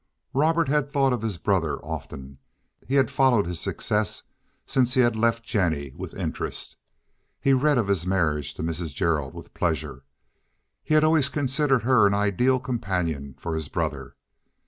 Robert had thought of his brother often. He had followed his success since he had left Jennie with interest. He read of his marriage to Mrs. Gerald with pleasure; he had always considered her an ideal companion for his brother.